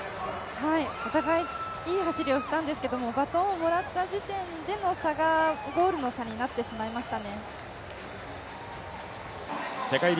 お互いいい走りをしたんですけれども、バトンをもらった時点での差がゴールの差になってしまいました。